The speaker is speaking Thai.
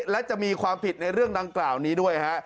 และจะมีความผิดในเรื่องดังกล่าวนี้ด้วยฮะ